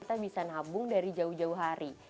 kita bisa nabung dari jauh jauh hari